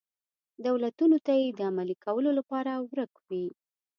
دولتونو ته یې د عملي کولو لپاره ورک وي.